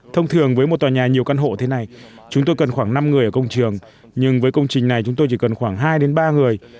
thông thường với một tòa nhà nhiều căn hộ thế này chúng tôi cần khoảng năm người ở công trường nhưng với công trình này chúng tôi chỉ cần khoảng hai ba người